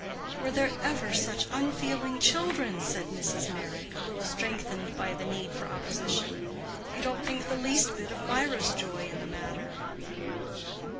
"Were there ever such unfeeling children?" said Mrs. Meyrick, a little strengthened by the need for opposition. "You don't think the least bit of Mirah's joy in the matter."